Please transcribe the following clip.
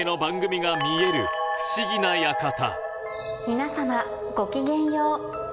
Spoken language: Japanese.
皆様ごきげんよう。